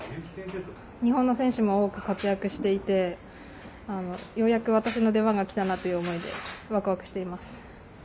日本の選手も多く活躍していてようやく私の出番がきたなという思いでワクワクしています。